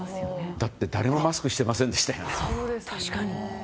だって誰もマスクしてませんでしたよね。